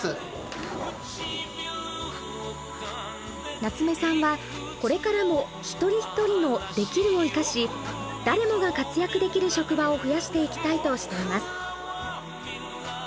夏目さんはこれからも一人一人の「できる」を生かし誰もが活躍できる職場を増やしていきたいとしています。